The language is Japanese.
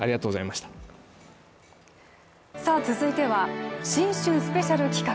続いては、新春スペシャル企画。